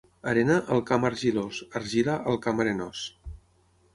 Arena, al camp argilós; argila, al camp arenós.